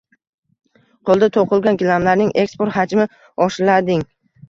Qo‘lda to‘qilgan gilamlarning eksport hajmi oshirilading